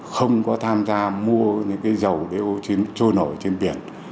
không có tham gia mua dầu để trôi nổi